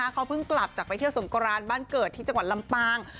เขาเพิ่งกลับจากไปเที่ยวสงกรานบ้านเกิดที่จังหวัดลำปาง